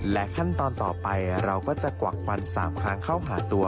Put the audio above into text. ขั้นตอนต่อไปเราก็จะกวักควัน๓ครั้งเข้าหาตัว